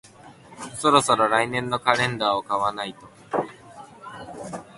そろそろ来年のカレンダーを買わないと